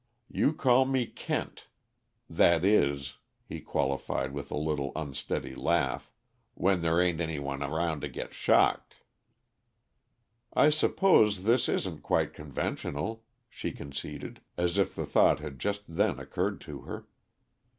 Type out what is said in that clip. You call me Kent that is," he qualified, with a little, unsteady laugh, "when there ain't any one around to get shocked." "I suppose this isn't quite conventional," she conceded, as if the thought had just then occurred to her.